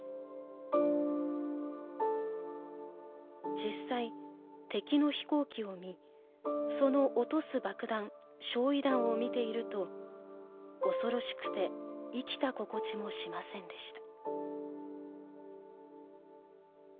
「実際敵の飛行機を見その落とす爆弾焼夷弾を見ていると恐ろしくて生きた心地もしませんでした」。